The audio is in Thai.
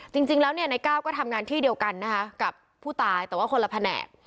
จริงแล้วเนี่ยในก้าวก็ทำงานที่เดียวกันนะคะกับผู้ตายแต่ว่าคนละแผนก